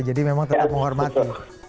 jadi memang tetap menghormati